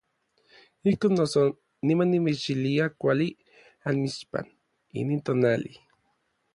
Ijkon noso, niman nimechilia kuali anmixpan inin tonali.